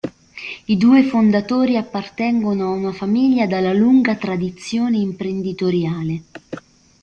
I due fondatori appartengono a una famiglia dalla lunga tradizione imprenditoriale.